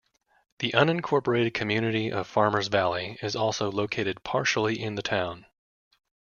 The unincorporated community of Farmers Valley is also located partially in the town.